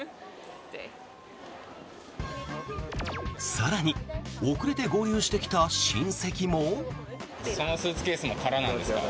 更に、遅れて合流してきた親戚も。